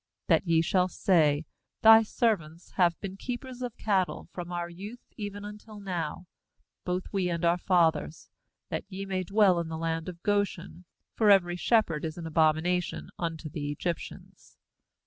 ^hat ye shall say: Thy servants have been keepers of cattle from our youth even until now, both we, and our fathers; that ye may dwell in the land of Goshen; for every shepherd is an abomination unto the Egyptians.'